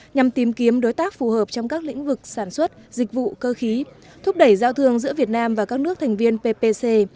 nhằm tìm kiếm đối tác phù hợp trong các lĩnh vực sản xuất dịch vụ cơ khí thúc đẩy giao thương giữa việt nam và các nước thành viên ppc